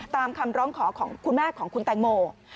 ตามคำร้องขอของคุณแม่ของคุณแตงโม